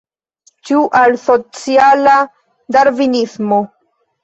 Ĉu al sociala darvinismo?